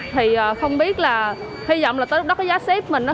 thì không biết là hy vọng là tới lúc đó giá ship mình á